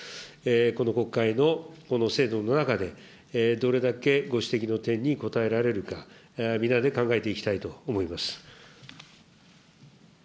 この国会の、この制度の中で、どれだけご指摘の点に応えられるか、皆で考えていきたいと思います。